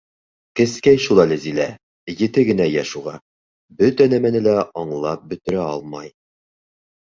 Кескәй шул әле Зилә, ете генә йәш уға, бөтә нәмәне лә аңлап бөтөрә алмай...